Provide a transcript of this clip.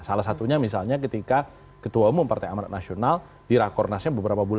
salah satunya misalnya ketika ketua umum partai amarak nasional dirakornasnya beberapa bulan